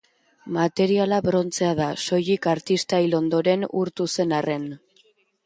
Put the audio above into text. Materiala brontzea da, soilik artista hil ondoren urtu zen arren.